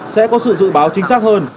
sẽ có sự dự báo chính xác hơn